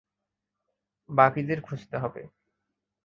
বাকিদের খুঁজতে হবে।